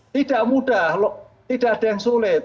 tidak mudah tidak ada yang sulit